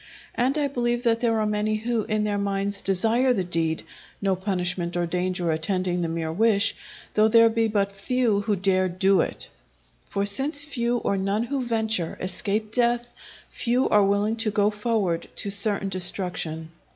And I believe that there are many who in their minds desire the deed, no punishment or danger attending the mere wish, though there be but few who dare do it. For since few or none who venture, escape death, few are willing to go forward to certain destruction.